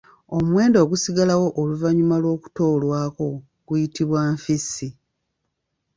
Omuwendo ogusigalawo oluvannyuma lwókutoolwako guyitibwa Nfissi.